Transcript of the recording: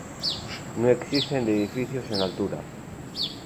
No Existen edificios en altura.